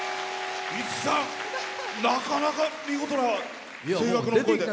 五木さん、なかなか見事な声楽のお声で。